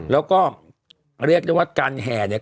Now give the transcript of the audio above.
แล้วก็เรียกได้ว่าการแห่เนี่ย